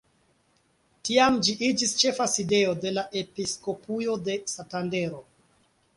Tiam ĝi iĝis ĉefa sidejo de la episkopujo de Santandero.